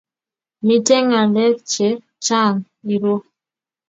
Miten ngalek che chang irou